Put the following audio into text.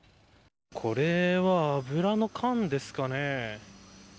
これは油の缶ですかね。